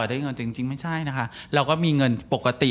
แต่จริงไม่ใช่นะคะเราก็มีเงินปกติ